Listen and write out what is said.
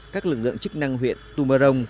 các lực lượng chức năng huyện tumarong